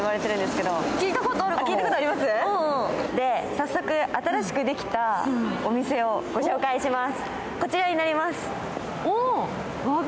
早速、新しくできたお店をご紹介します。